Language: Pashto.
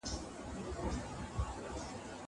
زه لوښي وچولي دي.